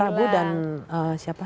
prabu dan siapa